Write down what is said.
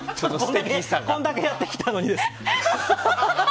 これだけやってきたのに！